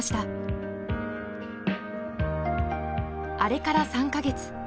あれから３か月。